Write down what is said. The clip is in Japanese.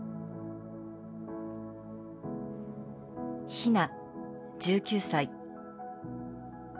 ひな１９歳。